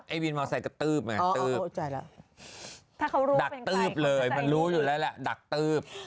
อ๋อไอ้วินมาวไซต์กระตืบดักตืบเลยมันรู้อยู่แล้วล่ะดักตืบ